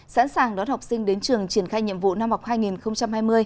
sẵn sàng đón học sinh đến trường triển khai nhiệm vụ năm học hai nghìn hai mươi hai nghìn hai mươi một